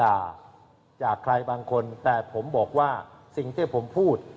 ไม่ได้โดนด่าจากใครบางคนแต่ผมบอกว่าสิ่งที่ผมพูด